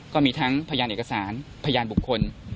ก็มีทั้งพยานเอกสารพยานบุคคล